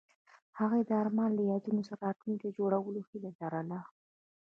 هغوی د آرمان له یادونو سره راتلونکی جوړولو هیله لرله.